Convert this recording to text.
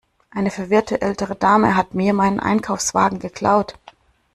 Eine verwirrte ältere Dame hat mir meinen Einkaufswagen geklaut.